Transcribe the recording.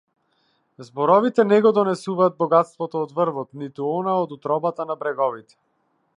Зборовите не го донесуваат богатството од врвот, ниту она од утробата на бреговите.